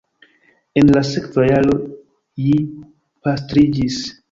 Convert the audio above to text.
En la sekva jaro ji pastriĝis.